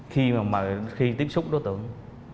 khi tiếp xúc đối tượng